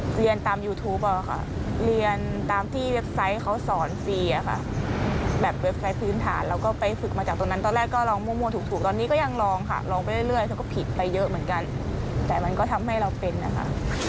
เรียนตามยูทูปอะค่ะเรียนตามที่เว็บไซต์เขาสอนฟรีอะค่ะแบบเว็บไซต์พื้นฐานเราก็ไปฝึกมาจากตรงนั้นตอนแรกก็ลองมั่วถูกตอนนี้ก็ยังลองค่ะลองไปเรื่อยเขาก็ผิดไปเยอะเหมือนกันแต่มันก็ทำให้เราเป็นนะคะ